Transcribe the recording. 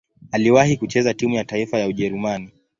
Aliwahi kucheza timu ya taifa ya Ujerumani.